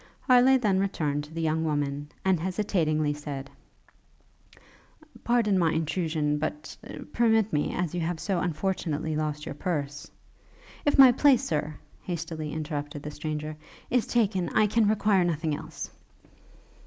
Harleigh then returned to the young woman, and hesitatingly said, 'Pardon my intrusion, but permit me, as you have so unfortunately lost your purse ' 'If my place, Sir,' hastily interrupted the stranger, 'is taken, I can require nothing else.'